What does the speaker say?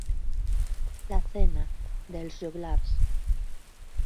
La cena, de Els Joglars.